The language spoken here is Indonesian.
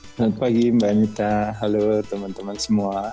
selamat pagi mbak anita halo teman teman semua